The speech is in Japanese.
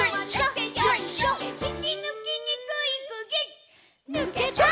「ひきぬきにくいくぎぬけた」